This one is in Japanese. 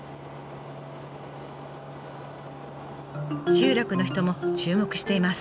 集落の人も注目しています。